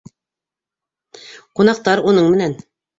Ҡунаҡтар уның менән: